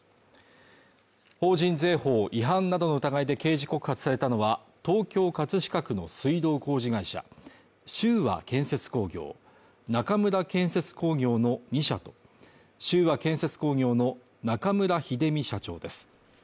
法人税法違反などの疑いで刑事告発されたのは東京葛飾区の水道工事会社秀和建設工業中村建設工業の２社と、秀和建設工業の中村秀美社長です。